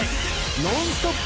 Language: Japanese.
ノンストップ！